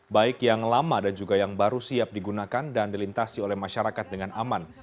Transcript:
baik yang lama dan juga yang baru siap digunakan dan dilintasi oleh masyarakat dengan aman